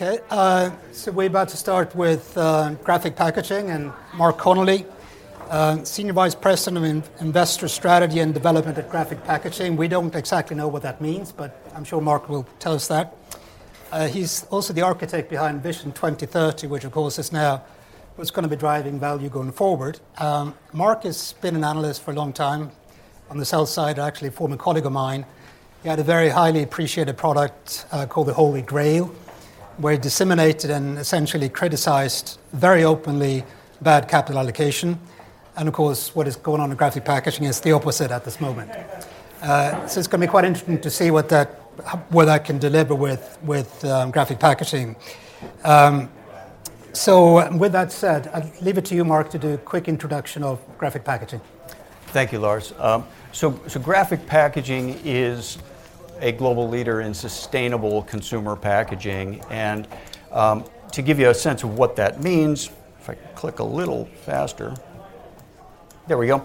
All right. Okay, so we're about to start with Graphic Packaging and Mark Connelly, Senior Vice President of Investor Strategy and Development at Graphic Packaging. We don't exactly know what that means, but I'm sure Mark will tell us that. He's also the architect behind Vision 2030, which of course is now what's gonna be driving value going forward. Mark has been an analyst for a long time on the sales side, actually a former colleague of mine. He had a very highly appreciated product called The Holy Grail, where he disseminated and essentially criticized very openly bad capital allocation. And of course, what is going on in Graphic Packaging is the opposite at this moment. So it's gonna be quite interesting to see what that can deliver with Graphic Packaging. So, with that said, I'll leave it to you, Mark, to do a quick introduction of Graphic Packaging. Thank you, Lars. So Graphic Packaging is a global leader in sustainable consumer packaging, and to give you a sense of what that means, if I click a little faster... There we go.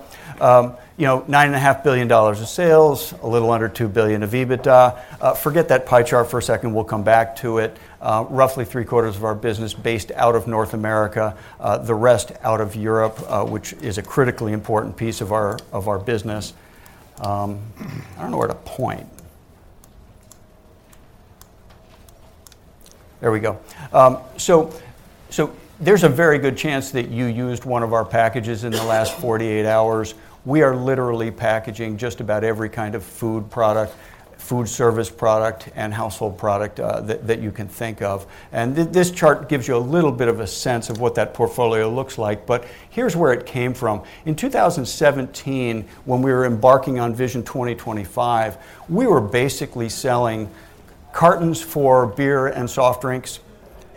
You know, $9.5 billion in sales, a little under $2 billion of EBITDA. Forget that pie chart for a second, we'll come back to it. Roughly three-quarters of our business based out of North America, the rest out of Europe, which is a critically important piece of our business. I don't know where to point. There we go. So there's a very good chance that you used one of our packages in the last 48 hours. We are literally packaging just about every kind of food product, food service product, and household product that you can think of. This chart gives you a little bit of a sense of what that portfolio looks like, but here's where it came from. In 2017, when we were embarking on Vision 2025, we were basically selling cartons for beer and soft drinks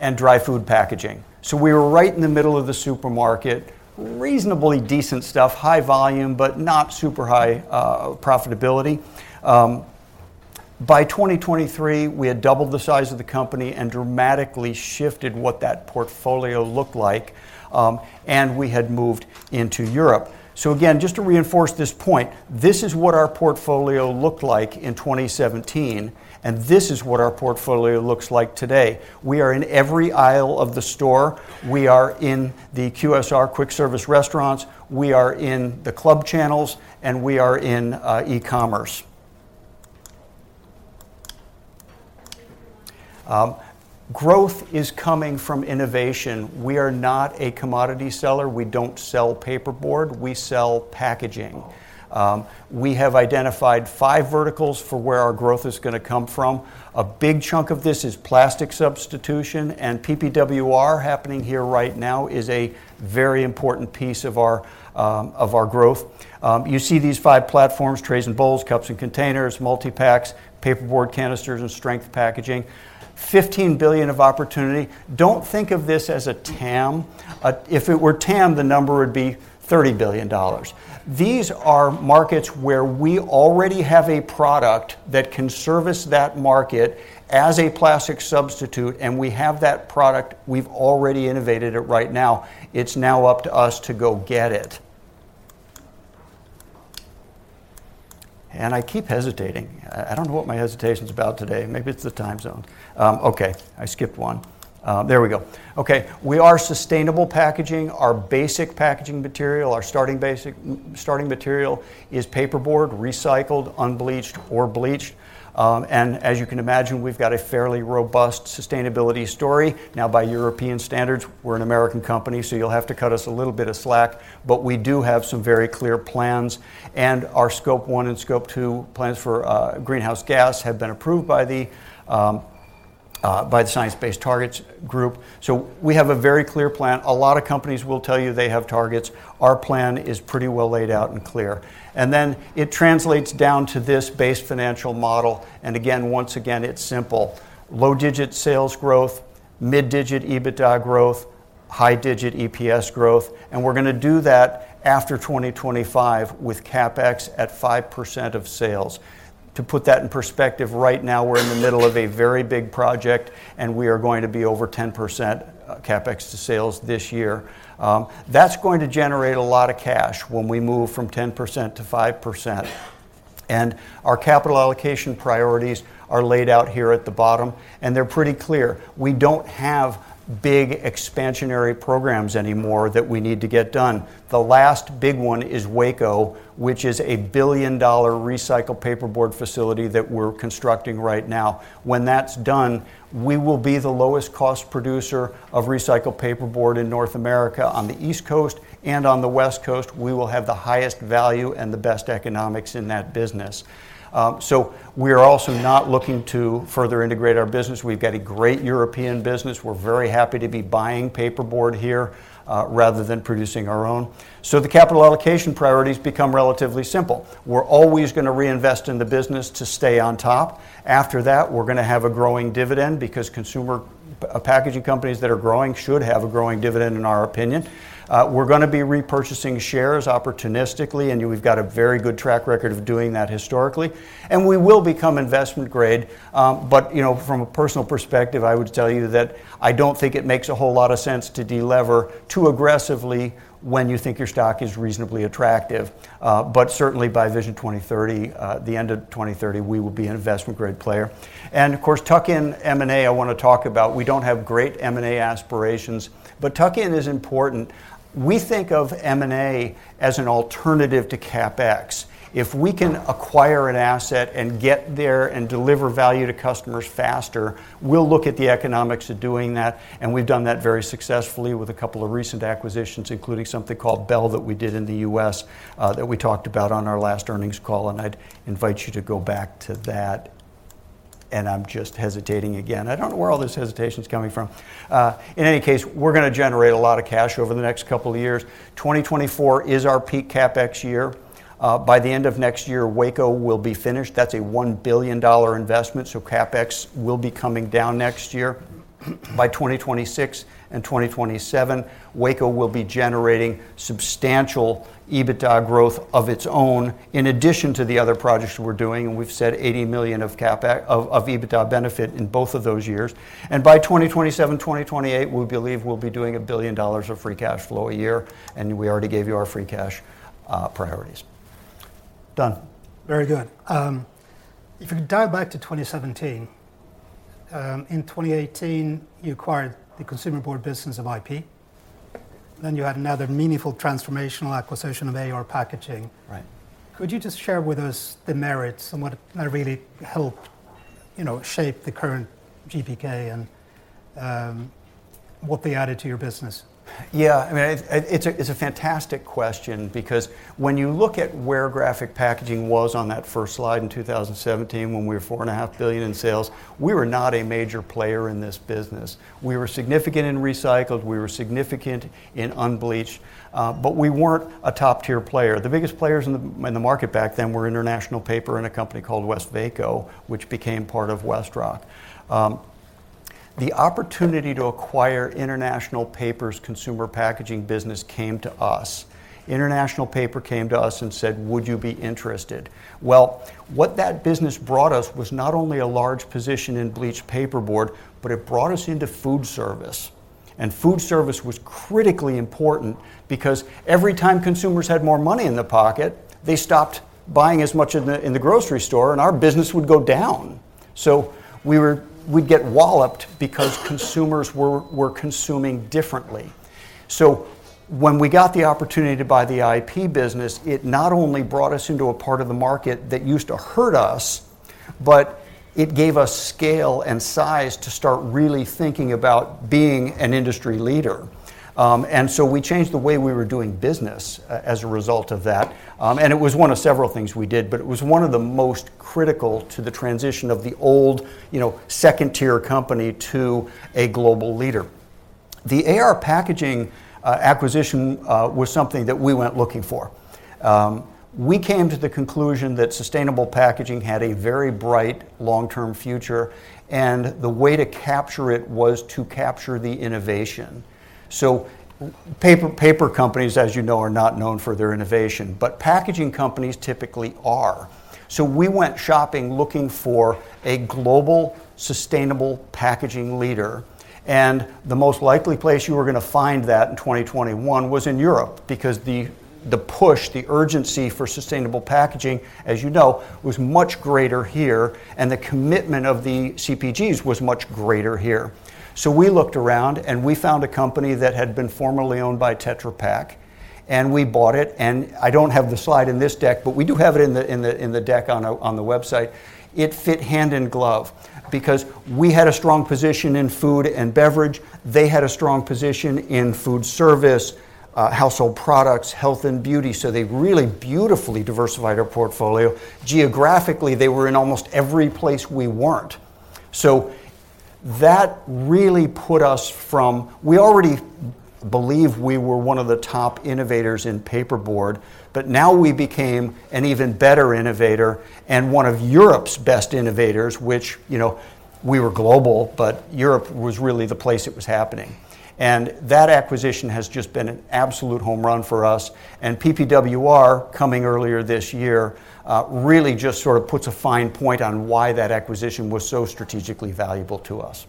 and dry food packaging, so we were right in the middle of the supermarket. Reasonably decent stuff, high volume, but not super high profitability. By 2023, we had doubled the size of the company and dramatically shifted what that portfolio looked like, and we had moved into Europe, so again, just to reinforce this point, this is what our portfolio looked like in 2017, and this is what our portfolio looks like today. We are in every aisle of the store. We are in the QSR, quick-service restaurants, we are in the club channels, and we are in e-commerce. Growth is coming from innovation. We are not a commodity seller. We don't sell paperboard, we sell packaging. We have identified five verticals for where our growth is gonna come from. A big chunk of this is plastic substitution, and PPWR happening here right now is a very important piece of our growth. You see these five platforms, trays and bowls, cups and containers, multi-packs, paperboard canisters, and strength packaging. 15 billion of opportunity. Don't think of this as a TAM. If it were TAM, the number would be $30 billion. These are markets where we already have a product that can service that market as a plastic substitute, and we have that product, we've already innovated it right now. It's now up to us to go get it. And I keep hesitating. I don't know what my hesitation's about today. Maybe it's the time zone. We are sustainable packaging. Our basic packaging material, our starting basic, starting material is paperboard, recycled, unbleached, or bleached. And as you can imagine, we've got a fairly robust sustainability story. Now, by European standards, we're an American company, so you'll have to cut us a little bit of slack, but we do have some very clear plans, and our Scope 1 and Scope 2 plans for greenhouse gas have been approved by the Science Based Targets group. So we have a very clear plan. A lot of companies will tell you they have targets. Our plan is pretty well laid out and clear. And then it translates down to this base financial model. And again, once again, it's simple. Low single-digit sales growth, mid single-digit EBITDA growth, high single-digit EPS growth, and we're gonna do that after twenty twenty-five with CapEx at 5% of sales. To put that in perspective, right now, we're in the middle of a very big project, and we are going to be over 10% CapEx to sales this year. That's going to generate a lot of cash when we move from 10% to 5%. And our capital allocation priorities are laid out here at the bottom, and they're pretty clear. We don't have big expansionary programs anymore that we need to get done. The last big one is Waco, which is a $1 billion recycled paperboard facility that we're constructing right now. When that's done, we will be the lowest cost producer of recycled paperboard in North America. On the East Coast and on the West Coast, we will have the highest value and the best economics in that business. So we are also not looking to further integrate our business. We've got a great European business. We're very happy to be buying paperboard here, rather than producing our own. So the capital allocation priorities become relatively simple. We're always gonna reinvest in the business to stay on top. After that, we're gonna have a growing dividend because consumer packaging companies that are growing should have a growing dividend, in our opinion. We're gonna be repurchasing shares opportunistically, and we've got a very good track record of doing that historically. We will become investment-grade, but you know, from a personal perspective, I would tell you that I don't think it makes a whole lot of sense to de-lever too aggressively when you think your stock is reasonably attractive. Certainly, by Vision 2030, the end of 2030, we will be an investment-grade player. Of course, tuck-in M&A, I wanna talk about. We don't have great M&A aspirations, but tuck-in is important. We think of M&A as an alternative to CapEx. If we can acquire an asset and get there and deliver value to customers faster, we'll look at the economics of doing that, and we've done that very successfully with a couple of recent acquisitions, including something called Bell that we did in the US, that we talked about on our last earnings call, and I'd invite you to go back to that. And I'm just hesitating again. I don't know where all this hesitation's coming from. In any case, we're gonna generate a lot of cash over the next couple of years. 2024 is our peak CapEx year. By the end of next year, Waco will be finished. That's a $1 billion investment, so CapEx will be coming down next year. By 2026 and 2027, Waco will be generating substantial EBITDA growth of its own in addition to the other projects we're doing, and we've said $80 million of CapEx of EBITDA benefit in both of those years, and by 2027, 2028, we believe we'll be doing $1 billion of free cash flow a year, and we already gave you our free cash priorities. Done. Very good. If you dive back to 2017, in 2018, you acquired the consumer board business of IP, then you had another meaningful transformational acquisition of AR Packaging. Right. Could you just share with us the merits and what really helped, you know, shape the current GPK and what they added to your business? Yeah, I mean, it's a fantastic question because when you look at where Graphic Packaging was on that first slide in 2017, when we were $4.5 billion in sales, we were not a major player in this business. We were significant in recycled, we were significant in unbleached, but we weren't a top-tier player. The biggest players in the market back then were International Paper and a company called Westvaco, which became part of WestRock. The opportunity to acquire International Paper's consumer packaging business came to us. International Paper came to us and said: "Would you be interested?" What that business brought us was not only a large position in bleached paperboard, but it brought us into food service, and food service was critically important because every time consumers had more money in their pocket, they stopped buying as much in the grocery store, and our business would go down. We'd get walloped because consumers were consuming differently. When we got the opportunity to buy the IP business, it not only brought us into a part of the market that used to hurt us, but it gave us scale and size to start really thinking about being an industry leader, and so we changed the way we were doing business as a result of that. And it was one of several things we did, but it was one of the most critical to the transition of the old, you know, second-tier company to a global leader. The AR Packaging acquisition was something that we went looking for. We came to the conclusion that sustainable packaging had a very bright long-term future, and the way to capture it was to capture the innovation. So paper, paper companies, as you know, are not known for their innovation, but packaging companies typically are. So we went shopping, looking for a global, sustainable packaging leader, and the most likely place you were gonna find that in twenty twenty-one was in Europe, because the push, the urgency for sustainable packaging, as you know, was much greater here, and the commitment of the CPGs was much greater here. So we looked around, and we found a company that had been formerly owned by Tetra Pak, and we bought it, and I don't have the slide in this deck, but we do have it in the deck on the website. It fit hand in glove because we had a strong position in food and beverage. They had a strong position in food service, household products, health and beauty, so they really beautifully diversified our portfolio. Geographically, they were in almost every place we weren't. So that really put us from... We already believed we were one of the top innovators in paperboard, but now we became an even better innovator and one of Europe's best innovators, which, you know, we were global, but Europe was really the place it was happening. And that acquisition has just been an absolute home run for us, and PPWR coming earlier this year, really just sort of puts a fine point on why that acquisition was so strategically valuable to us.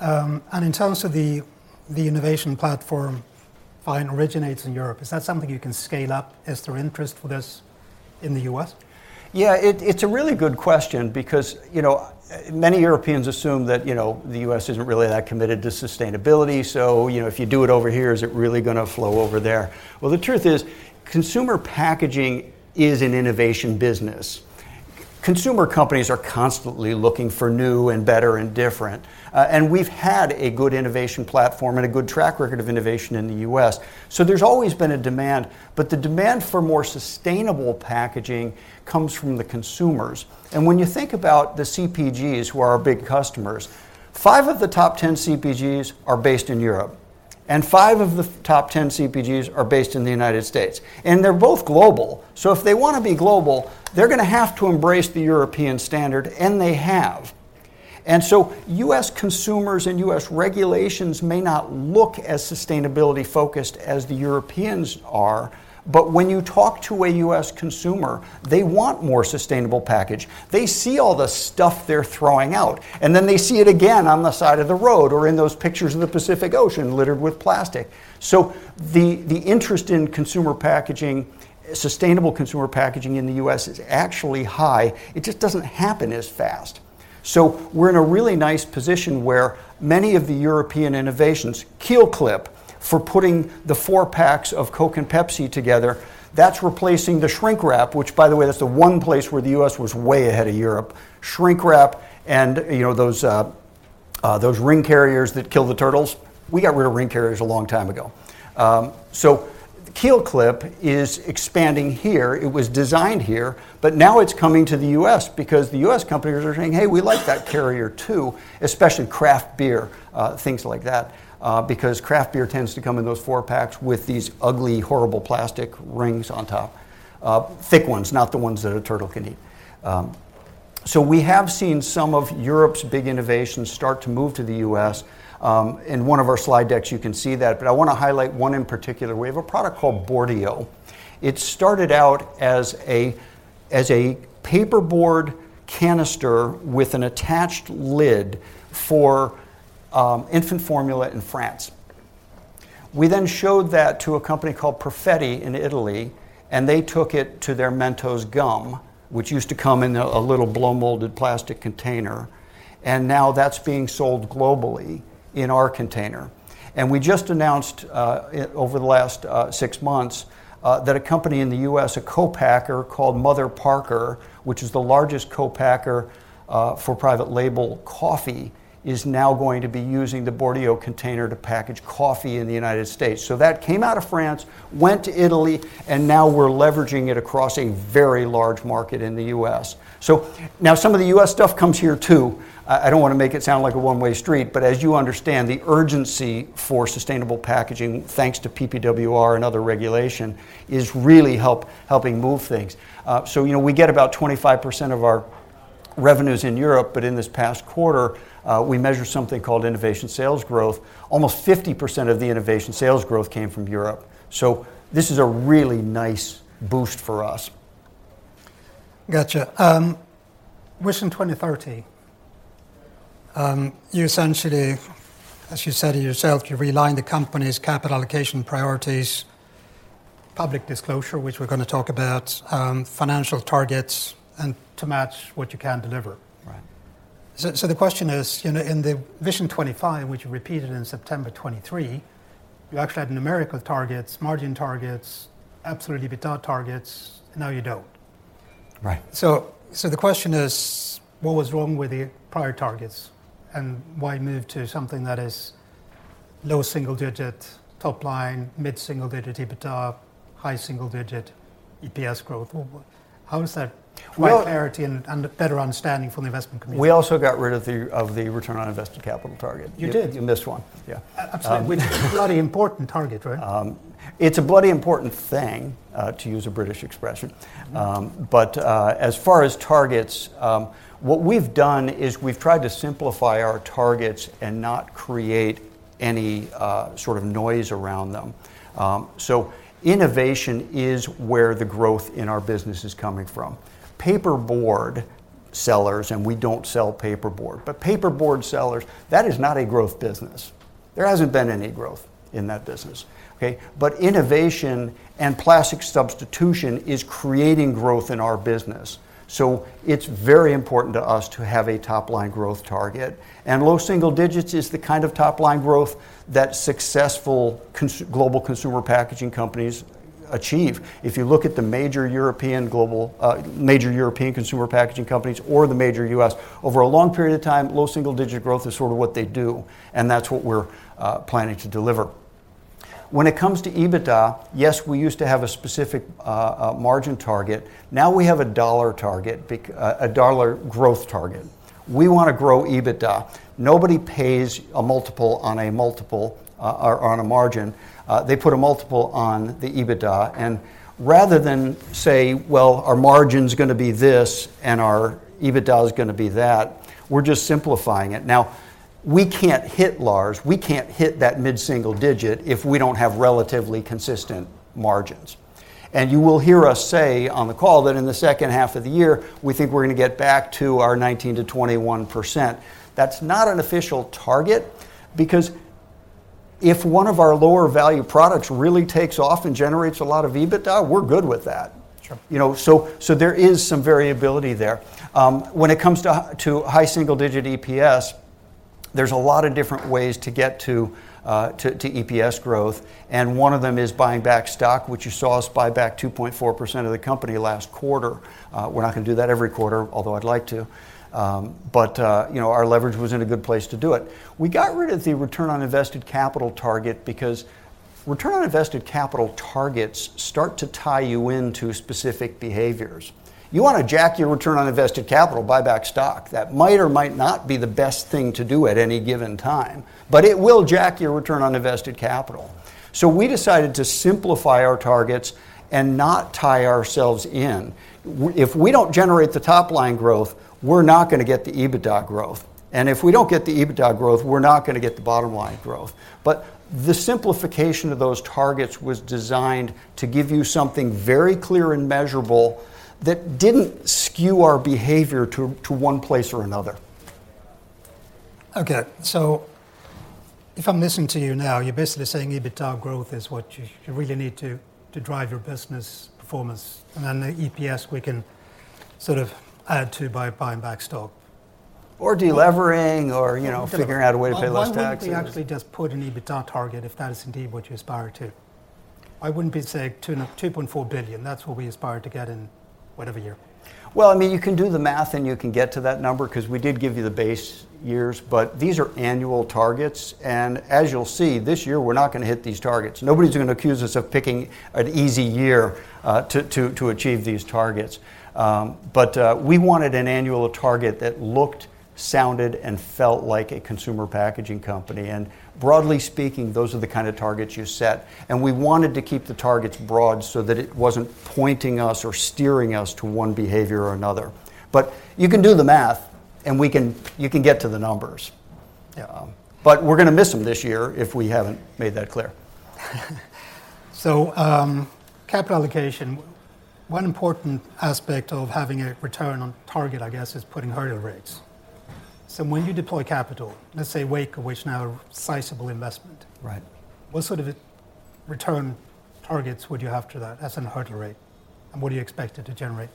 In terms of the innovation platform that originates in Europe, is that something you can scale up? Is there interest for this in the U.S.? Yeah, it's a really good question because, you know, many Europeans assume that, you know, the US isn't really that committed to sustainability. So, you know, if you do it over here, is it really gonna flow over there? Well, the truth is, consumer packaging is an innovation business. Consumer companies are constantly looking for new and better and different, and we've had a good innovation platform and a good track record of innovation in the US, so there's always been a demand. But the demand for more sustainable packaging comes from the consumers. And when you think about the CPGs, who are our big customers, five of the top 10 CPGs are based in Europe, and five of the top 10 CPGs are based in the United States, and they're both global. So if they want to be global, they're going to have to embrace the European standard, and they have. And so, U.S. consumers and U.S. regulations may not look as sustainability-focused as the Europeans are, but when you talk to a U.S. consumer, they want more sustainable package. They see all the stuff they're throwing out, and then they see it again on the side of the road or in those pictures of the Pacific Ocean littered with plastic. So the interest in consumer packaging, sustainable consumer packaging in the U.S. is actually high. It just doesn't happen as fast. So we're in a really nice position where many of the European innovations, KeelClip, for putting the four packs of Coke and Pepsi together, that's replacing the shrink wrap, which, by the way, that's the one place where the U.S. was way ahead of Europe. Shrink wrap, and, you know, those ring carriers that kill the turtles. We got rid of ring carriers a long time ago. So KeelClip is expanding here. It was designed here, but now it's coming to the U.S. because the U.S. companies are saying, "Hey, we like that carrier, too," especially craft beer, things like that. Because craft beer tends to come in those four packs with these ugly, horrible plastic rings on top. Thick ones, not the ones that a turtle can eat. So we have seen some of Europe's big innovations start to move to the U.S. In one of our slide decks, you can see that, but I want to highlight one in particular. We have a product called Boardio. It started out as a paperboard canister with an attached lid for infant formula in France. We then showed that to a company called Perfetti in Italy, and they took it to their Mentos gum, which used to come in a little blow-molded plastic container, and now that's being sold globally in our container. And we just announced over the last six months that a company in the U.S., a co-packer called Mother Parkers, which is the largest co-packer for private label coffee, is now going to be using the Boardio container to package coffee in the United States. So that came out of France, went to Italy, and now we're leveraging it across a very large market in the U.S. So now, some of the U.S. stuff comes here, too. I don't want to make it sound like a one-way street, but as you understand, the urgency for sustainable packaging, thanks to PPWR and other regulation, is really helping move things, so you know, we get about 25% of our revenues in Europe, but in this past quarter, we measured something called innovation sales growth. Almost 50% of the innovation sales growth came from Europe, so this is a really nice boost for us. Gotcha. Vision 2030. You essentially, as you said it yourself, you're realigning the company's capital allocation priorities, public disclosure, which we're going to talk about, financial targets, and to match what you can deliver. Right. So the question is, you know, in the Vision 2025, which you repeated in September 2023, you actually had numerical targets, margin targets, absolute EBITDA targets, and now you don't. Right. So, the question is, what was wrong with the prior targets, and why move to something that is low single digit top line, mid single digit EBITDA, high single digit EPS growth, or what? How is that- Well- More clarity and a better understanding from the investment community. We also got rid of the Return on Invested Capital target. You did? You missed one. Yeah. Absolutely. Which is a bloody important target, right? It's a bloody important thing to use a British expression. Mm. But as far as targets, what we've done is we've tried to simplify our targets and not create any sort of noise around them. So innovation is where the growth in our business is coming from. Paperboard sellers, and we don't sell paperboard, but paperboard sellers, that is not a growth business. There hasn't been any growth in that business, okay? But innovation and plastic substitution is creating growth in our business, so it's very important to us to have a top-line growth target. And low single digits is the kind of top-line growth that successful global consumer packaging companies achieve. If you look at the major European consumer packaging companies or the major U.S., over a long period of time, low single-digit growth is sort of what they do, and that's what we're planning to deliver. When it comes to EBITDA, yes, we used to have a specific margin target. Now we have a dollar target, a dollar growth target. We want to grow EBITDA. Nobody pays a multiple on a multiple or on a margin. They put a multiple on the EBITDA, and rather than say, "Well, our margin's gonna be this, and our EBITDA is gonna be that," we're just simplifying it. Now, we can't hit that, Lars. We can't hit that mid-single digit if we don't have relatively consistent margins. You will hear us say on the call that in the second half of the year, we think we're going to get back to our 19%-21%. That's not an official target, because if one of our lower-value products really takes off and generates a lot of EBITDA, we're good with that. Sure. You know, so there is some variability there. When it comes to high single-digit EPS, there's a lot of different ways to get to EPS growth, and one of them is buying back stock, which you saw us buy back 2.4% of the company last quarter. We're not going to do that every quarter, although I'd like to. But you know, our leverage was in a good place to do it. We got rid of the Return on Invested Capital target because Return on Invested Capital targets start to tie you into specific behaviors. You wanna jack your Return on Invested Capital, buy back stock. That might or might not be the best thing to do at any given time, but it will jack your Return on Invested Capital. So we decided to simplify our targets and not tie ourselves in. If we don't generate the top line growth, we're not gonna get the EBITDA growth, and if we don't get the EBITDA growth, we're not gonna get the bottom line growth. But the simplification of those targets was designed to give you something very clear and measurable that didn't skew our behavior to one place or another. Okay, so if I'm listening to you now, you're basically saying EBITDA growth is what you really need to drive your business performance, and then the EPS, we can sort of add to by buying back stock. Or deleveraging, or, you know- Okay, deliver- figuring out a way to pay less taxes. Why wouldn't we actually just put an EBITDA target if that is indeed what you aspire to? I wouldn't be saying $2.4 billion, that's what we aspire to get in whatever year. I mean, you can do the math, and you can get to that number 'cause we did give you the base years, but these are annual targets. And as you'll see, this year we're not gonna hit these targets. Nobody's gonna accuse us of picking an easy year to achieve these targets. But we wanted an annual target that looked, sounded, and felt like a consumer packaging company, and broadly speaking, those are the kind of targets you set. And we wanted to keep the targets broad so that it wasn't pointing us or steering us to one behavior or another. But you can do the math, and you can get to the numbers. Yeah. But we're gonna miss them this year if we haven't made that clear. So, capital allocation, one important aspect of having a return on target, I guess, is putting hurdle rates. So when you deploy capital, let's say Waco, which is now a sizable investment- Right. What sort of return targets would you have to that as a hurdle rate, and what do you expect it to generate?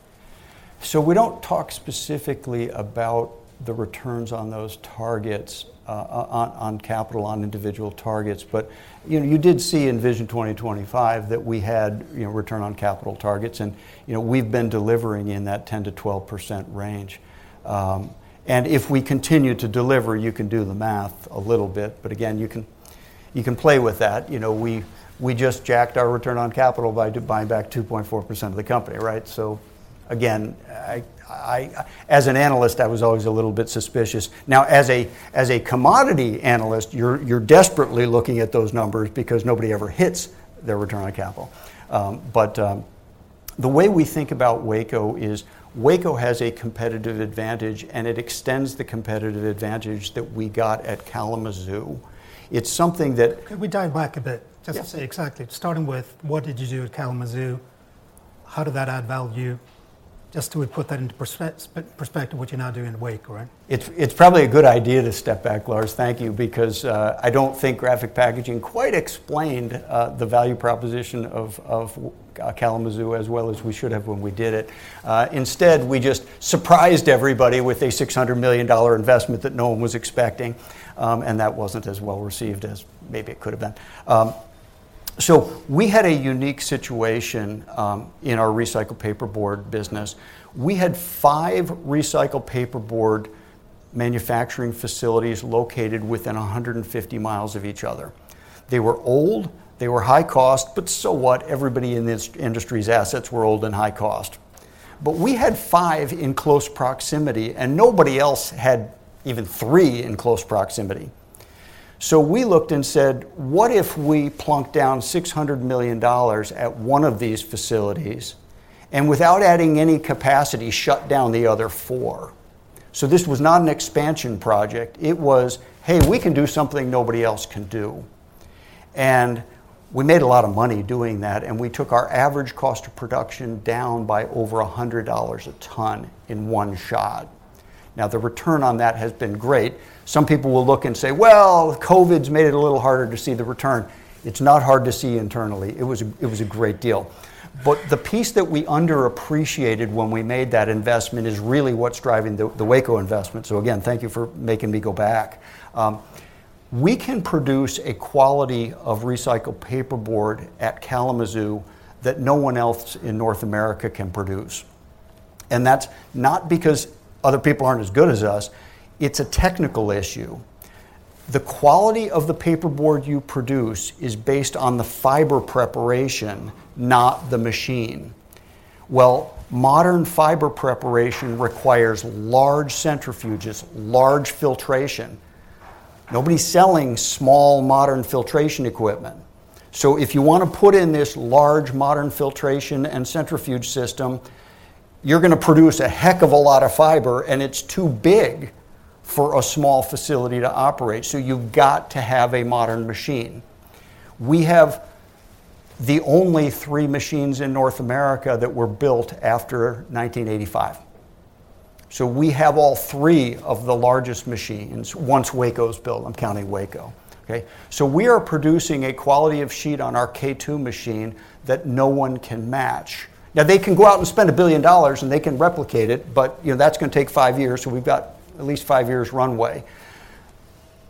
We don't talk specifically about the returns on those targets on capital, on individual targets. But you know, you did see in Vision 2025 that we had return on capital targets, and you know, we've been delivering in that 10%-12% range. And if we continue to deliver, you can do the math a little bit, but again, you can play with that. You know, we just jacked our return on capital by buying back 2.4% of the company, right? So again, as an analyst, I was always a little bit suspicious. Now, as a commodity analyst, you're desperately looking at those numbers because nobody ever hits their return on capital. But the way we think about Waco is Waco has a competitive advantage, and it extends the competitive advantage that we got at Kalamazoo. It's something that- Can we dive back a bit? Yeah. Just to say, exactly, starting with what did you do at Kalamazoo? How did that add value? Just to put that into perspective, what you're now doing in Waco, right? It's probably a good idea to step back, Lars, thank you, because I don't think Graphic Packaging quite explained the value proposition of Kalamazoo as well as we should have when we did it. Instead, we just surprised everybody with a $600 million investment that no one was expecting, and that wasn't as well-received as maybe it could have been. So we had a unique situation in our recycled paperboard business. We had five recycled paperboard manufacturing facilities located within 150 miles of each other. They were old, they were high cost, but so what? Everybody in this industry's assets were old and high cost. But we had five in close proximity, and nobody else had even three in close proximity. So we looked and said, "What if we plunk down $600 million at one of these facilities, and without adding any capacity, shut down the other four?" So this was not an expansion project. It was, "Hey, we can do something nobody else can do." And we made a lot of money doing that, and we took our average cost of production down by over $100 a ton in one shot. Now, the return on that has been great. Some people will look and say, "Well, COVID's made it a little harder to see the return." It's not hard to see internally. It was a great deal. But the piece that we underappreciated when we made that investment is really what's driving the Waco investment. So again, thank you for making me go back. We can produce a quality of recycled paperboard at Kalamazoo that no one else in North America can produce, and that's not because other people aren't as good as us. It's a technical issue. The quality of the paperboard you produce is based on the fiber preparation, not the machine. Well, modern fiber preparation requires large centrifuges, large filtration. Nobody's selling small, modern filtration equipment. So if you wanna put in this large, modern filtration and centrifuge system, you're gonna produce a heck of a lot of fiber, and it's too big for a small facility to operate, so you've got to have a modern machine. We have the only three machines in North America that were built after 1985, so we have all three of the largest machines. Once Waco's built, I'm counting Waco. Okay? So we are producing a quality of sheet on our K2 machine that no one can match. Now, they can go out and spend $1 billion, and they can replicate it, but, you know, that's gonna take five years, so we've got at least five years runway.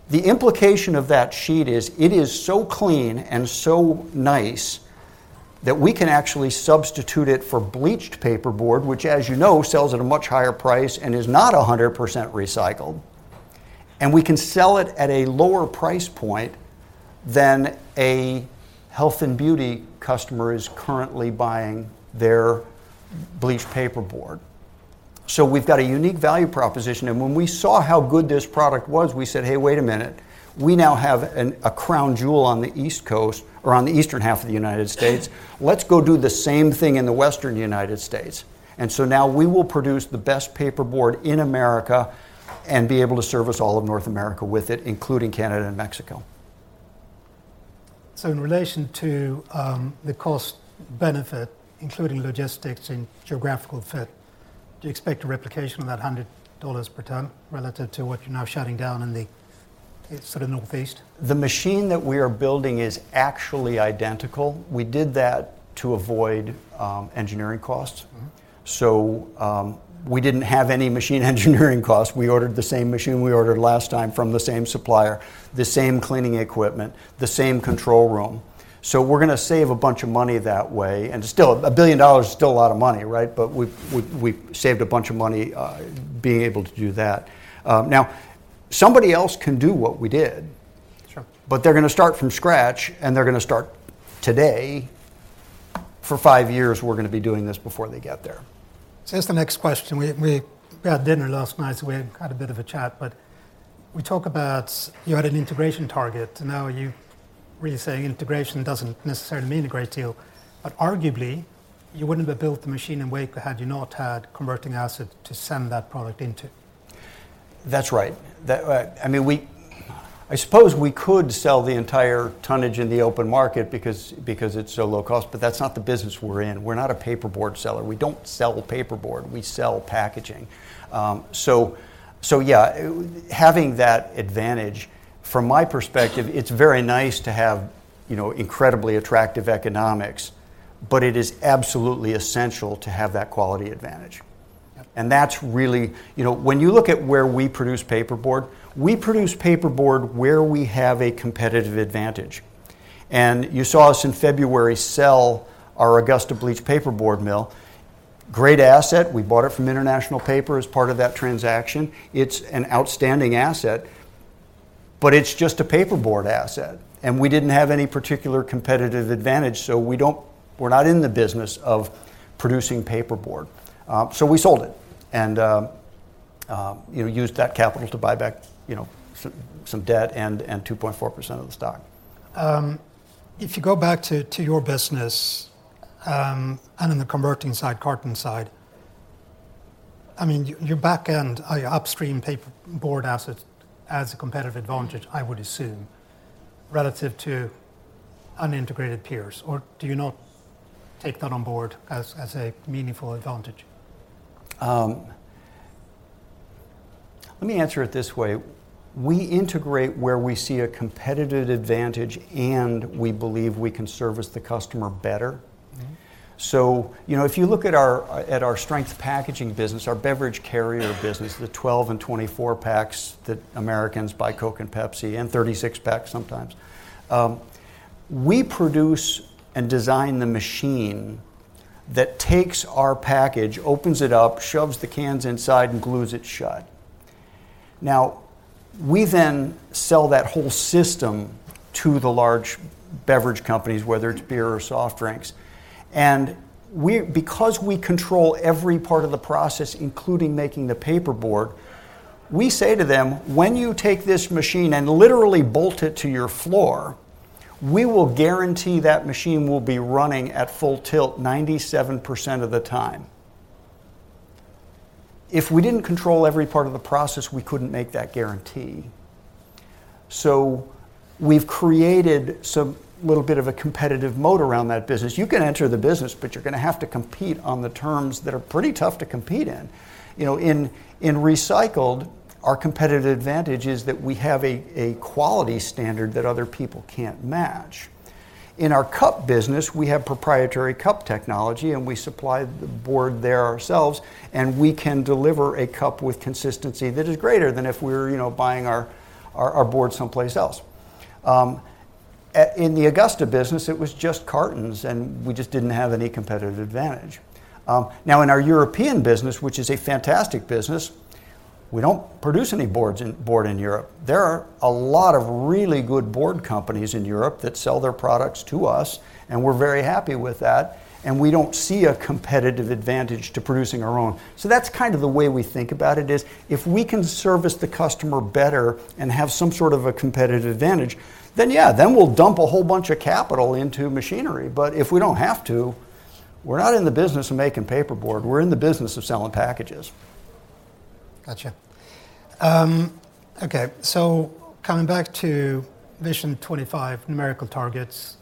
The implication of that sheet is, it is so clean and so nice that we can actually substitute it for bleached paperboard, which, as you know, sells at a much higher price and is not 100% recycled... and we can sell it at a lower price point than a health and beauty customer is currently buying their bleached paperboard. So we've got a unique value proposition, and when we saw how good this product was, we said, "Hey, wait a minute. We now have a crown jewel on the East Coast or on the eastern half of the United States. Let's go do the same thing in the western United States. And so now we will produce the best paperboard in America and be able to service all of North America with it, including Canada and Mexico. So in relation to the cost benefit, including logistics and geographical fit, do you expect a replication of that $100 per ton relative to what you're now shutting down in the sort of Northeast? The machine that we are building is actually identical. We did that to avoid engineering costs. Mm-hmm. So, we didn't have any machine engineering costs. We ordered the same machine we ordered last time from the same supplier, the same cleaning equipment, the same control room. So we're gonna save a bunch of money that way, and still, $1 billion is still a lot of money, right? But we've saved a bunch of money being able to do that. Now, somebody else can do what we did. Sure. But they're gonna start from scratch, and they're gonna start today. For five years, we're gonna be doing this before they get there. So that's the next question. We had dinner last night, so we had a bit of a chat, but we talk about you had an integration target, and now you're really saying integration doesn't necessarily mean a great deal. But arguably, you wouldn't have built the machine in Waco had you not had converting asset to send that product into. That's right. That, I mean, we, I suppose we could sell the entire tonnage in the open market because it's so low cost, but that's not the business we're in. We're not a paperboard seller. We don't sell paperboard, we sell packaging. So yeah, having that advantage, from my perspective, it's very nice to have, you know, incredibly attractive economics, but it is absolutely essential to have that quality advantage. Yeah. And that's really... You know, when you look at where we produce paperboard, we produce paperboard where we have a competitive advantage. And you saw us in February sell our Augusta bleached paperboard mill. Great asset, we bought it from International Paper as part of that transaction. It's an outstanding asset, but it's just a paperboard asset, and we didn't have any particular competitive advantage, so we don't. We're not in the business of producing paperboard. So we sold it, and you know, used that capital to buy back some debt and 2.4% of the stock. If you go back to your business, and in the converting side, carton side, I mean, your back end, your upstream paperboard asset, has a competitive advantage, I would assume, relative to unintegrated peers. Or do you not take that on board as a meaningful advantage? Let me answer it this way. We integrate where we see a competitive advantage, and we believe we can service the customer better. Mm-hmm. So, you know, if you look at our sustainable packaging business, our beverage carrier business, the twelve and twenty-four packs that Americans buy Coke and Pepsi, and thirty-six packs sometimes, we produce and design the machine that takes our package, opens it up, shoves the cans inside, and glues it shut. Now, we then sell that whole system to the large beverage companies, whether it's beer or soft drinks. And we, because we control every part of the process, including making the paperboard, say to them, "When you take this machine and literally bolt it to your floor, we will guarantee that machine will be running at full tilt 97% of the time." If we didn't control every part of the process, we couldn't make that guarantee. So we've created some little bit of a competitive moat around that business. You can enter the business, but you're gonna have to compete on the terms that are pretty tough to compete in. You know, in recycled, our competitive advantage is that we have a quality standard that other people can't match. In our cup business, we have proprietary cup technology, and we supply the board there ourselves, and we can deliver a cup with consistency that is greater than if we were, you know, buying our board someplace else. In the Augusta business, it was just cartons, and we just didn't have any competitive advantage. Now, in our European business, which is a fantastic business, we don't produce any board in Europe. There are a lot of really good board companies in Europe that sell their products to us, and we're very happy with that, and we don't see a competitive advantage to producing our own, so that's kind of the way we think about it is, if we can service the customer better and have some sort of a competitive advantage, then yeah, then we'll dump a whole bunch of capital into machinery, but if we don't have to, we're not in the business of making paperboard, we're in the business of selling packages. Gotcha. Okay, so coming back to Vision 2025 numerical targets,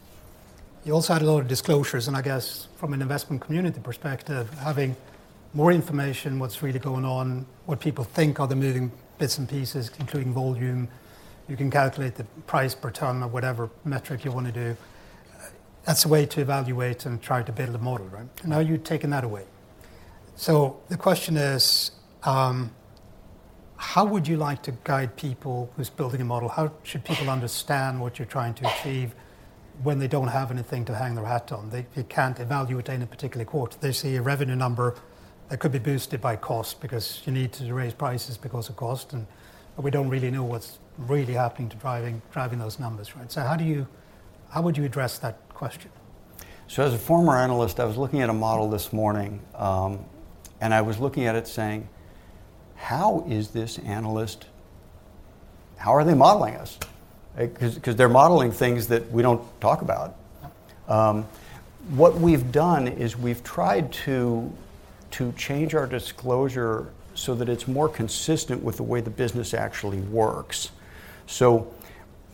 you also had a lot of disclosures, and I guess from an investment community perspective, having more information, what's really going on, what people think are the moving bits and pieces, including volume, you can calculate the price per ton or whatever metric you wanna do. That's a way to evaluate and try to build a model, right? Mm-hmm. Now, you've taken that away. So the question is, how would you like to guide people who's building a model? How should people understand what you're trying to achieve?... when they don't have anything to hang their hat on, they can't evaluate any particular quarter. They see a revenue number that could be boosted by cost, because you need to raise prices because of cost, and we don't really know what's really happening to driving those numbers, right? So how do you, how would you address that question? So as a former analyst, I was looking at a model this morning, and I was looking at it saying: How is this analyst... How are they modeling us? 'Cause they're modeling things that we don't talk about. Yeah. What we've done is we've tried to change our disclosure so that it's more consistent with the way the business actually works. So,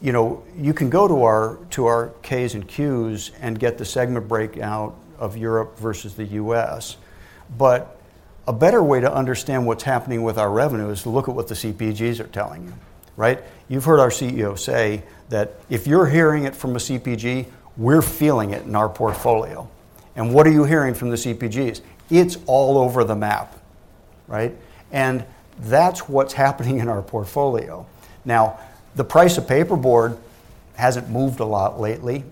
you know, you can go to our K's and Q's and get the segment breakout of Europe versus the U.S., but a better way to understand what's happening with our revenue is to look at what the CPGs are telling you, right? You've heard our CEO say that, "If you're hearing it from a CPG, we're feeling it in our portfolio." And what are you hearing from the CPGs? It's all over the map, right? And that's what's happening in our portfolio. Now, the price of paperboard hasn't moved a lot lately.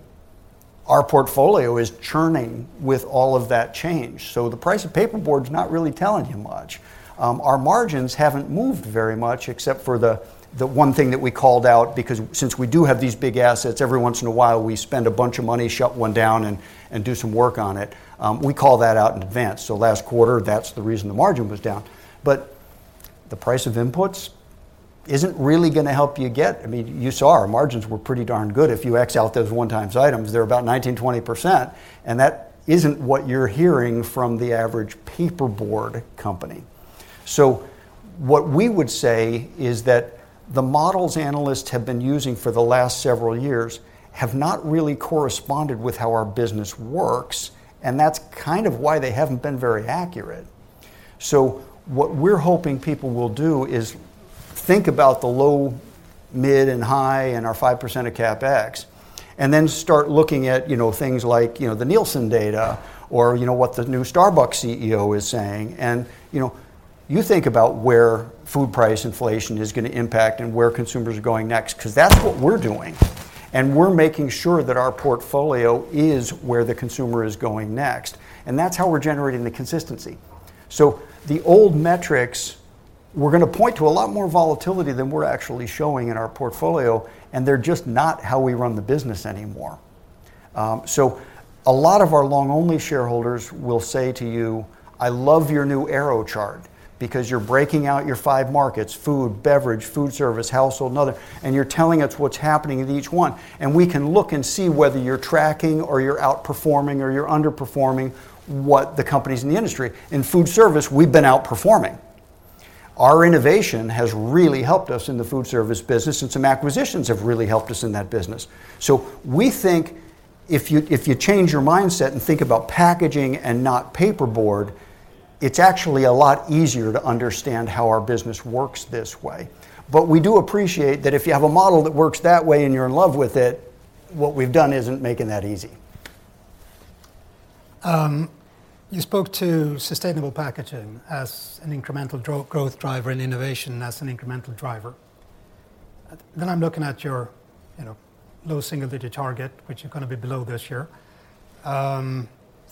Our portfolio is churning with all of that change. So the price of paperboard is not really telling you much. Our margins haven't moved very much except for the one thing that we called out, because since we do have these big assets, every once in a while, we spend a bunch of money, shut one down, and do some work on it. We call that out in advance. So last quarter, that's the reason the margin was down. But the price of inputs isn't really gonna help you get - I mean, you saw our margins were pretty darn good. If you X out those one-time items, they're about 19-20%, and that isn't what you're hearing from the average paperboard company. So what we would say is that the models analysts have been using for the last several years have not really corresponded with how our business works, and that's kind of why they haven't been very accurate. So what we're hoping people will do is think about the low, mid, and high in our 5% of CapEx, and then start looking at, you know, things like, you know, the Nielsen data or, you know, what the new Starbucks CEO is saying. And, you know, you think about where food price inflation is gonna impact and where consumers are going next, 'cause that's what we're doing. And we're making sure that our portfolio is where the consumer is going next, and that's how we're generating the consistency. So the old metrics, we're gonna point to a lot more volatility than we're actually showing in our portfolio, and they're just not how we run the business anymore. So a lot of our long-only shareholders will say to you, "I love your new arrow chart because you're breaking out your five markets: food, beverage, food service, household, and other, and you're telling us what's happening in each one. And we can look and see whether you're tracking or you're outperforming or you're underperforming what the companies in the industry." In food service, we've been outperforming. Our innovation has really helped us in the food service business, and some acquisitions have really helped us in that business. So we think if you change your mindset and think about packaging and not paperboard, it's actually a lot easier to understand how our business works this way. But we do appreciate that if you have a model that works that way and you're in love with it, what we've done isn't making that easy. You spoke to sustainable packaging as an incremental growth driver and innovation as an incremental driver. Then I'm looking at your, you know, low single-digit target, which is gonna be below this year, for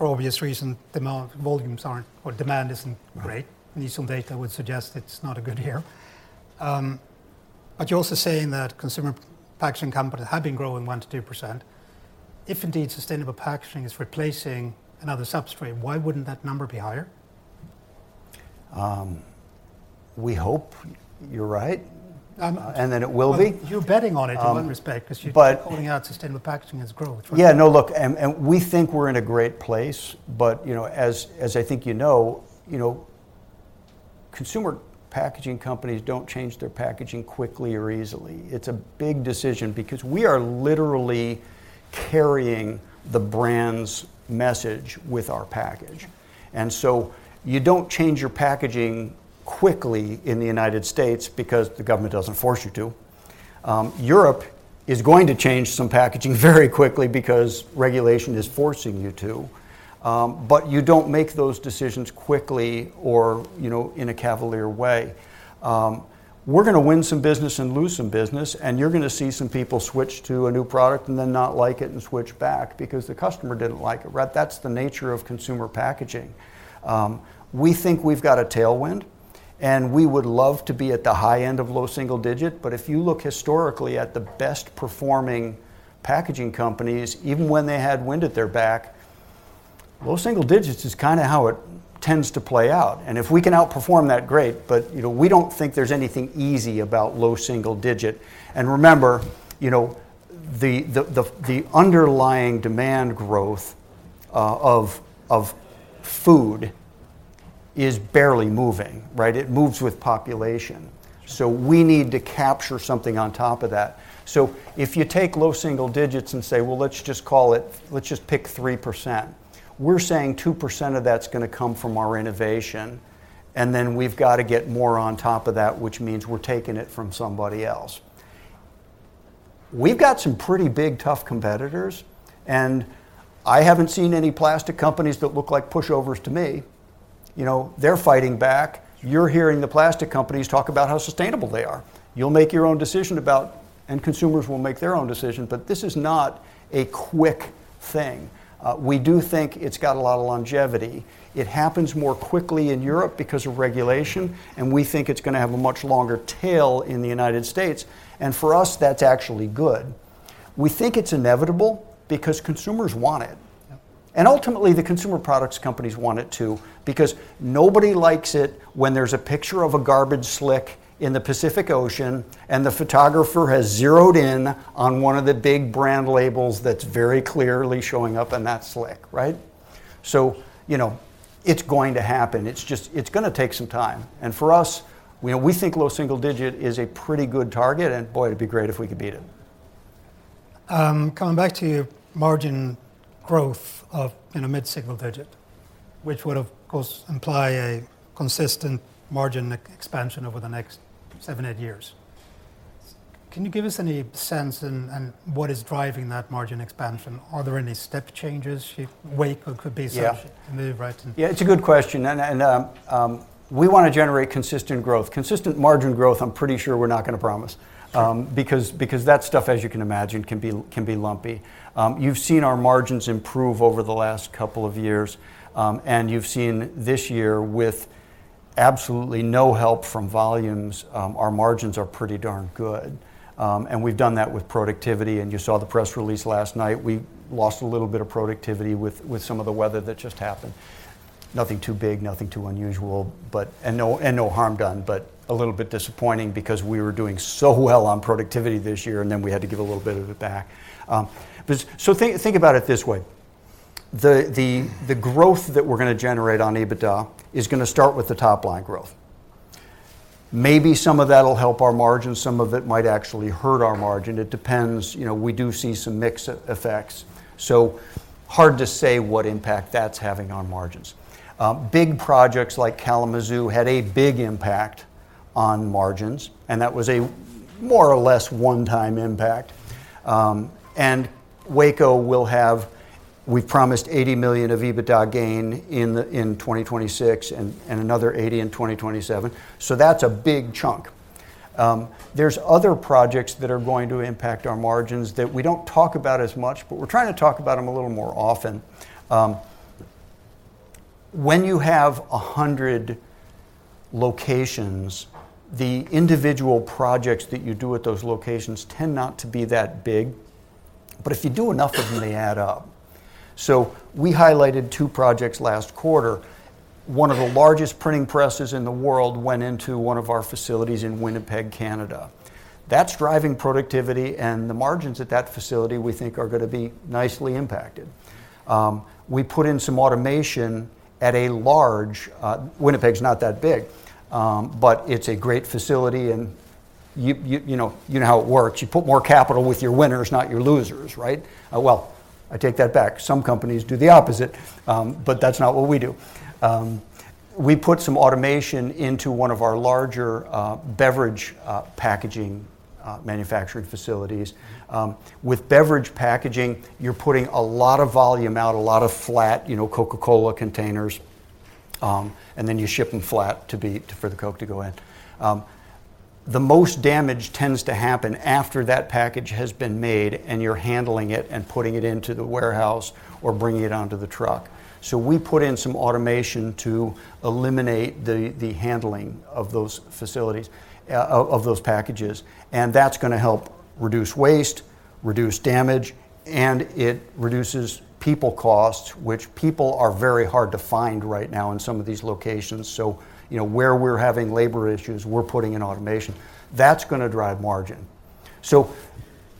obvious reason, demand volumes aren't or demand isn't great. Right. Nielsen data would suggest it's not a good year, but you're also saying that consumer packaging companies have been growing 1%-2%. If indeed sustainable packaging is replacing another substrate, why wouldn't that number be higher? We hope you're right- Um- and that it will be. You're betting on it in one respect- Um, but- ’Cause you’re calling out sustainable packaging as growth, right? Yeah, no, look, and we think we're in a great place, but, you know, as I think you know, you know, consumer packaging companies don't change their packaging quickly or easily. It's a big decision because we are literally carrying the brand's message with our package, and so you don't change your packaging quickly in the United States because the government doesn't force you to. Europe is going to change some packaging very quickly because regulation is forcing you to, but you don't make those decisions quickly or, you know, in a cavalier way. We're gonna win some business and lose some business, and you're gonna see some people switch to a new product and then not like it and switch back because the customer didn't like it, right? That's the nature of consumer packaging. We think we've got a tailwind, and we would love to be at the high end of low single digit, but if you look historically at the best-performing packaging companies, even when they had wind at their back, low single digits is kinda how it tends to play out. And if we can outperform that, great, but, you know, we don't think there's anything easy about low single digit. And remember, you know, the underlying demand growth of food is barely moving, right? It moves with population. So we need to capture something on top of that. So if you take low single digits and say, well, let's just call it, let's just pick 3%. We're saying 2% of that's gonna come from our innovation, and then we've got to get more on top of that, which means we're taking it from somebody else. We've got some pretty big, tough competitors, and I haven't seen any plastic companies that look like pushovers to me. You know, they're fighting back. You're hearing the plastic companies talk about how sustainable they are. You'll make your own decision about, and consumers will make their own decision, but this is not a quick thing. We do think it's got a lot of longevity. It happens more quickly in Europe because of regulation, and we think it's gonna have a much longer tail in the United States, and for us, that's actually good. We think it's inevitable because consumers want it. Yeah. And ultimately, the consumer products companies want it, too, because nobody likes it when there's a picture of a garbage slick in the Pacific Ocean, and the photographer has zeroed in on one of the big brand labels that's very clearly showing up in that slick, right? So, you know, it's going to happen. It's just, it's gonna take some time, and for us, you know, we think low single digit is a pretty good target, and boy, it'd be great if we could beat it. Coming back to your margin growth of in a mid-single digit, which would, of course, imply a consistent margin expansion over the next seven, eight years. Can you give us any sense and what is driving that margin expansion? Are there any step changes, shift, Waco could be some- Yeah. Move, right? Yeah, it's a good question, and we wanna generate consistent growth. Consistent margin growth, I'm pretty sure we're not gonna promise- Sure... because that stuff, as you can imagine, can be lumpy. You've seen our margins improve over the last couple of years, and you've seen this year, with absolutely no help from volumes, our margins are pretty darn good. And we've done that with productivity, and you saw the press release last night. We lost a little bit of productivity with some of the weather that just happened. Nothing too big, nothing too unusual, but. And no harm done, but a little bit disappointing because we were doing so well on productivity this year, and then we had to give a little bit of it back. But so think about it this way. The growth that we're gonna generate on EBITDA is gonna start with the top-line growth. Maybe some of that'll help our margins, some of it might actually hurt our margin. It depends. You know, we do see some mix effects, so hard to say what impact that's having on margins. Big projects like Kalamazoo had a big impact on margins, and that was a more or less one-time impact. And Waco will have, we've promised 80 million of EBITDA gain in 2026 and another 80 in 2027, so that's a big chunk. There's other projects that are going to impact our margins that we don't talk about as much, but we're trying to talk about them a little more often. When you have 100 locations, the individual projects that you do at those locations tend not to be that big, but if you do enough of them, they add up. So we highlighted two projects last quarter. One of the largest printing presses in the world went into one of our facilities in Winnipeg, Canada. That's driving productivity, and the margins at that facility, we think, are gonna be nicely impacted. We put in some automation at a large... Winnipeg's not that big, but it's a great facility, and you know how it works. You put more capital with your winners, not your losers, right? Well, I take that back. Some companies do the opposite, but that's not what we do. We put some automation into one of our larger, beverage, packaging, manufacturing facilities. With beverage packaging, you're putting a lot of volume out, a lot of flat, you know, Coca-Cola containers, and then you ship them flat for the Coke to go in. The most damage tends to happen after that package has been made, and you're handling it and putting it into the warehouse or bringing it onto the truck, so we put in some automation to eliminate the handling of those packages, and that's gonna help reduce waste, reduce damage, and it reduces people costs, which people are very hard to find right now in some of these locations, so you know, where we're having labor issues, we're putting in automation. That's gonna drive margin. So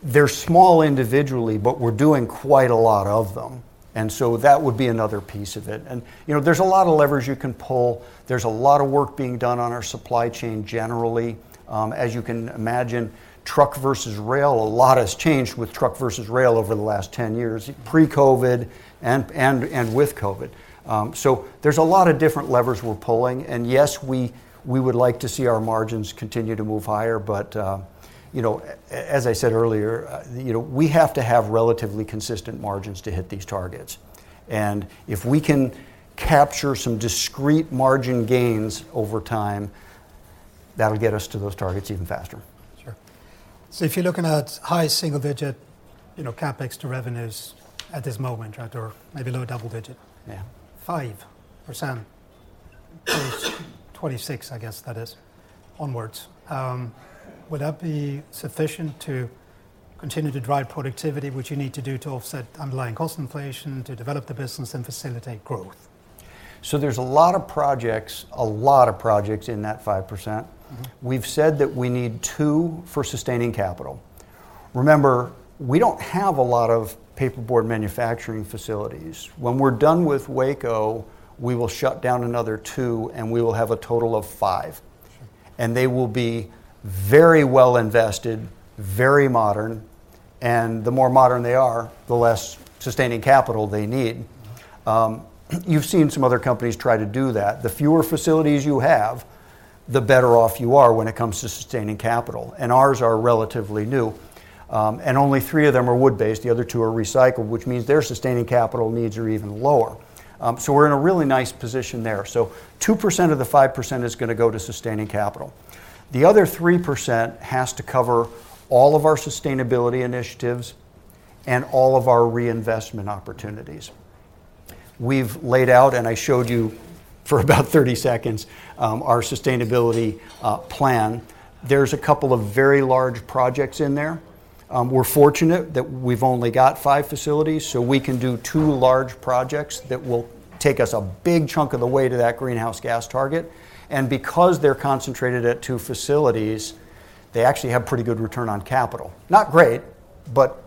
they're small individually, but we're doing quite a lot of them, and so that would be another piece of it. You know, there's a lot of levers you can pull. There's a lot of work being done on our supply chain generally. As you can imagine, truck versus rail, a lot has changed with truck versus rail over the last 10 years, pre-COVID and with COVID. So there's a lot of different levers we're pulling, and yes, we would like to see our margins continue to move higher, but, you know, as I said earlier, you know, we have to have relatively consistent margins to hit these targets, and if we can capture some discrete margin gains over time, that'll get us to those targets even faster. Sure. So if you're looking at high single digit, you know, CapEx to revenues at this moment, right, or maybe low double digit- Yeah... 5%, 2026, I guess that is, onwards. Would that be sufficient to continue to drive productivity, which you need to do to offset underlying cost inflation, to develop the business and facilitate growth? There's a lot of projects, a lot of projects in that 5%. Mm-hmm. We've said that we need two for sustaining capital. Remember, we don't have a lot of paperboard manufacturing facilities. When we're done with Waco, we will shut down another two, and we will have a total of five. Sure. They will be very well-invested, very modern, and the more modern they are, the less Sustaining Capital they need. Mm-hmm. You've seen some other companies try to do that. The fewer facilities you have, the better off you are when it comes to sustaining capital, and ours are relatively new, and only three of them are wood-based, the other two are recycled, which means their sustaining capital needs are even lower, so we're in a really nice position there, so 2% of the 5% is gonna go to sustaining capital. The other 3% has to cover all of our sustainability initiatives and all of our reinvestment opportunities we've laid out, and I showed you for about 30 seconds our sustainability plan. There's a couple of very large projects in there. We're fortunate that we've only got five facilities, so we can do two large projects that will take us a big chunk of the way to that greenhouse gas target, and because they're concentrated at two facilities, they actually have pretty good return on capital. Not great, but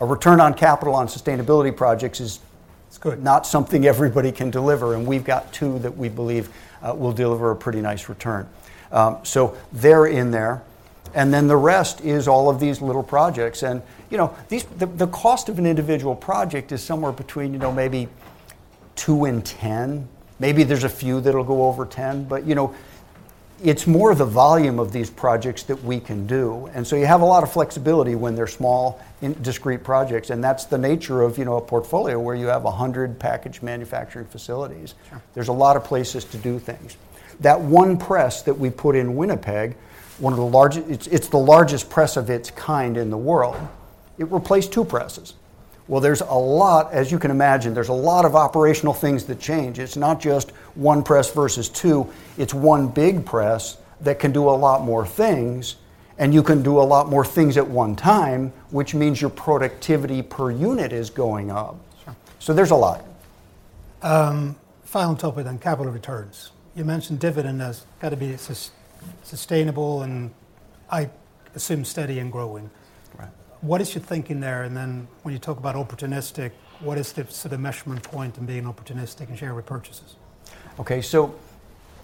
a return on capital on sustainability projects is- It's good... not something everybody can deliver, and we've got two that we believe will deliver a pretty nice return. So they're in there, and then the rest is all of these little projects. And, you know, these, the cost of an individual project is somewhere between, you know, maybe 2 and 10. Maybe there's a few that'll go over 10, but, you know, it's more the volume of these projects that we can do. And so you have a lot of flexibility when they're small, in discrete projects, and that's the nature of, you know, a portfolio where you have 100 package manufacturing facilities. Sure. There's a lot of places to do things. That one press that we put in Winnipeg, one of the largest. It's, it's the largest press of its kind in the world. It replaced two presses. There's a lot, as you can imagine, there's a lot of operational things that change. It's not just one press versus two, it's one big press that can do a lot more things, and you can do a lot more things at one time, which means your productivity per unit is going up. Sure. There's a lot. Final topic then, capital returns. You mentioned dividend has gotta be sustainable and I assume steady and growing. Right. What is your thinking there, and then when you talk about opportunistic, what is the sort of measurement point in being opportunistic in share repurchases? Okay, so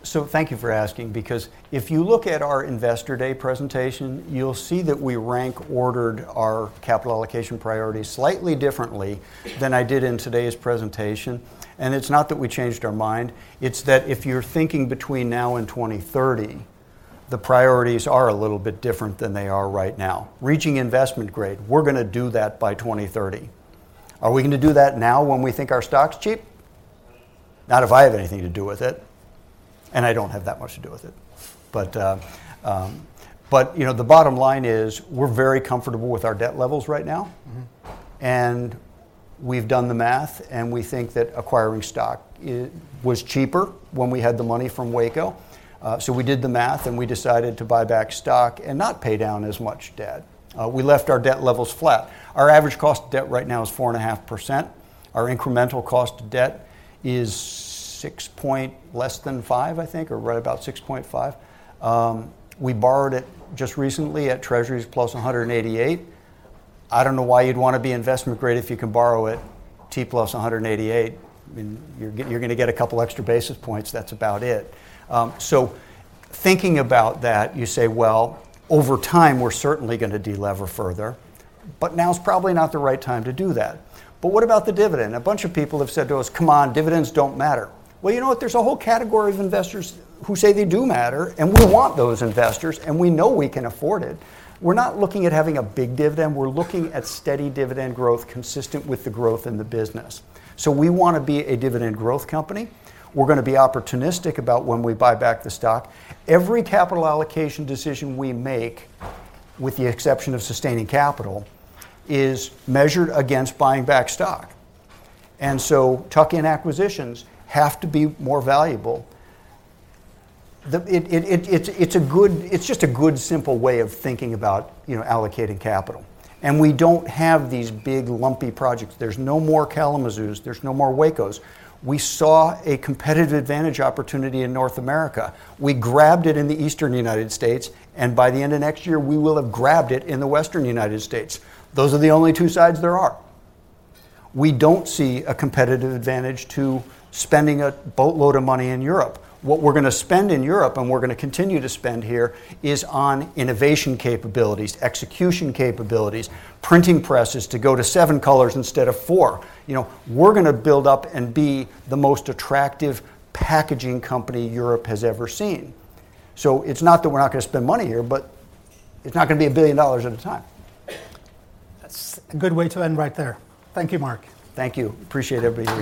thank you for asking, because if you look at our Investor Day presentation, you'll see that we rank ordered our capital allocation priorities slightly differently than I did in today's presentation, and it's not that we changed our mind, it's that if you're thinking between now and twenty thirty, the priorities are a little bit different than they are right now. Reaching Investment Grade, we're gonna do that by twenty thirty. Are we gonna do that now when we think our stock's cheap? Not if I have anything to do with it, and I don't have that much to do with it, but you know, the bottom line is, we're very comfortable with our debt levels right now. Mm-hmm. And we've done the math, and we think that acquiring stock was cheaper when we had the money from Waco. So we did the math, and we decided to buy back stock and not pay down as much debt. We left our debt levels flat. Our average cost of debt right now is 4.5%. Our incremental cost of debt is six point less than five, I think, or right about 6.5. We borrowed it just recently at Treasuries plus 188. I don't know why you'd wanna be Investment Grade if you can borrow at T plus 188. I mean, you're gonna get a couple extra basis points, that's about it. So thinking about that, you say, "Well, over time, we're certainly gonna de-lever further, but now's probably not the right time to do that." But what about the dividend? A bunch of people have said to us, "Come on, dividends don't matter." Well, you know what? There's a whole category of investors who say they do matter, and we want those investors, and we know we can afford it. We're not looking at having a big dividend. We're looking at steady dividend growth consistent with the growth in the business. So we wanna be a dividend growth company. We're gonna be opportunistic about when we buy back the stock. Every capital allocation decision we make, with the exception of sustaining capital, is measured against buying back stock. And so tuck-in acquisitions have to be more valuable. It's just a good, simple way of thinking about, you know, allocating capital. And we don't have these big, lumpy projects. There's no more Kalamazoos, there's no more Wacos. We saw a competitive advantage opportunity in North America. We grabbed it in the eastern United States, and by the end of next year, we will have grabbed it in the western United States. Those are the only two sides there are. We don't see a competitive advantage to spending a boatload of money in Europe. What we're gonna spend in Europe, and we're gonna continue to spend here, is on innovation capabilities, execution capabilities, printing presses to go to seven colors instead of four. You know, we're gonna build up and be the most attractive packaging company Europe has ever seen. So it's not that we're not gonna spend money here, but it's not gonna be $1 billion at a time. That's a good way to end right there. Thank you, Mark. Thank you. Appreciate everybody-